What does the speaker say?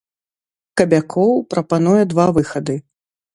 Кабякоў прапануе два выхады.